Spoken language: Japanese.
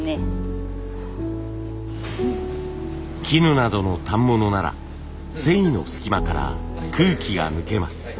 絹などの反物なら繊維の隙間から空気が抜けます。